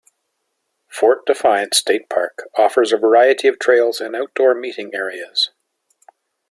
Fort Defiance State Park offers a variety of trails and outdoor meeting areas.